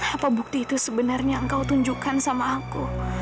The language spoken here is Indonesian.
apa bukti itu sebenarnya yang kau tunjukkan sama aku